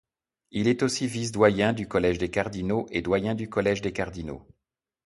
Il est aussi vice-doyen du Collège des cardinaux et doyen du Collège des cardinaux.